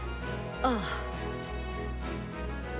ああ。